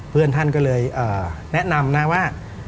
เพื่อนท่านก็เลยแนะนำนะว่า